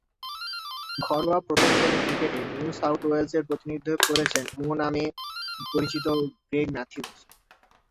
ঘরোয়া প্রথম-শ্রেণীর ক্রিকেটে নিউ সাউথ ওয়েলসের প্রতিনিধিত্ব করেছেন 'মো' ডাকনামে পরিচিত গ্রেগ ম্যাথিউস।